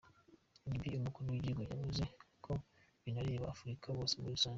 Ibi umukuru w’igihugu yavuze ko binareba Abanyafurika bose muri rusange.